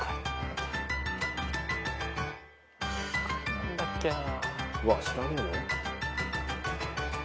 何だっけな。